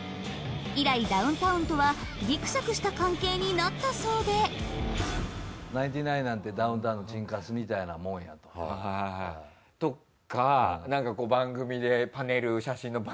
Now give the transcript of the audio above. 以来ダウンタウンとはぎくしゃくした関係になったそうでナインティナインなんてダウンタウンのチンカスみたいなもんやと。とかなんかこう番組で。